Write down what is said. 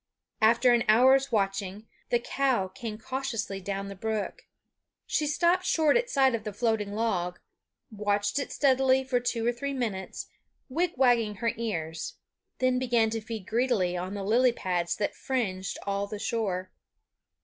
After an hour's watching, the cow came cautiously down the brook. She stopped short at sight of the floating log; watched it steadily for two or three minutes, wigwagging her ears; then began to feed greedily on the lily pads that fringed all the shore.